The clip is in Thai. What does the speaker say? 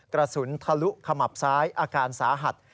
กระสุนทะลุขมับซ้ายอาการสาหัส